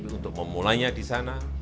untuk memulainya di sana